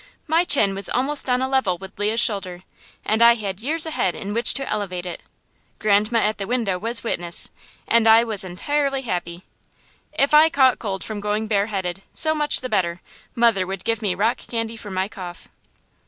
My chin was almost on a level with Leah's shoulder, and I had years ahead in which to elevate it. Grandma at the window was witness, and I was entirely happy. If I caught cold from going bareheaded, so much the better; mother would give me rock candy for my cough.